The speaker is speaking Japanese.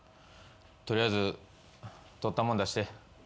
取りあえず取った物出して。